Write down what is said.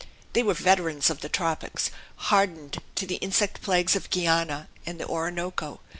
They were veterans of the tropics, hardened to the insect plagues of Guiana and the Orinoco.